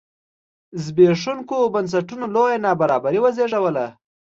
زبېښوونکو بنسټونو لویه نابرابري وزېږوله.